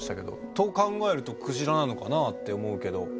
と考えるとクジラなのかなって思うけど。